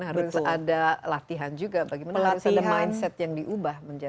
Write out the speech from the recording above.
harus ada latihan juga bagaimana harus ada mindset yang diubah menjadi